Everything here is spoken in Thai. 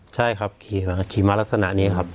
ใช่ครับขี่มาขี่มาลักษณะนี้ครับ